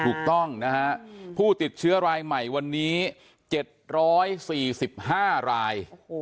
ถูกต้องนะฮะผู้ติดเชื้อรายใหม่วันนี้เจ็ดร้อยสี่สิบห้ารายโอ้โห